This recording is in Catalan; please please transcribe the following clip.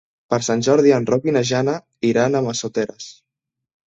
Per Sant Jordi en Roc i na Jana iran a Massoteres.